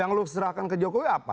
yang lu serahkan ke jokowi apa